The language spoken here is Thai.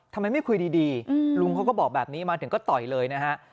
ทำไมไม่คุยดีลุงเขาก็บอกแบบนี้มาถึงก็ต่อยเลยนะฮะ